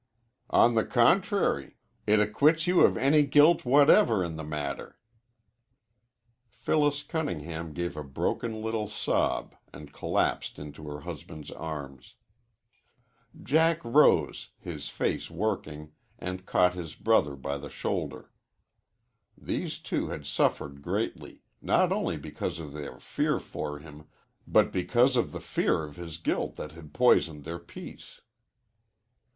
"On the contrary, it acquits you of any guilt whatever in the matter." Phyllis Cunningham gave a broken little sob and collapsed into her husband's arms. Jack rose, his face working, and caught his brother by the shoulder. These two had suffered greatly, not only because of their fear for him, but because of the fear of his guilt that had poisoned their peace.